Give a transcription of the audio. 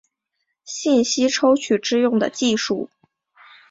信息抽取之用的技术。